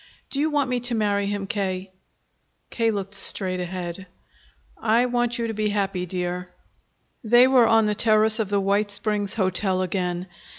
"Do you want me to marry him, K.?" K. looked straight ahead. "I want you to be happy, dear." They were on the terrace of the White Springs Hotel again.